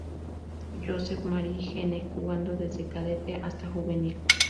Josep María Gene jugando desde Cadete hasta Juvenil.